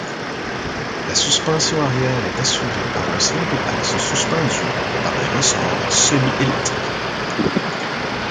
La suspension arrière est assurée par un simple axe suspendu par des ressorts semi-elleptiques.